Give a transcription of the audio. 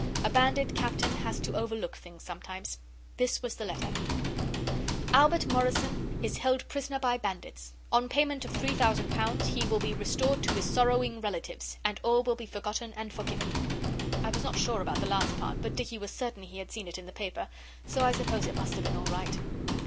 A Bandit Captain has to overlook things sometimes. This was the letter 'Albert Morrison is held a prisoner by Bandits. On payment of three thousand pounds he will be restored to his sorrowing relatives, and all will be forgotten and forgiven.' I was not sure about the last part, but Dicky was certain he had seen it in the paper, so I suppose it must have been all right.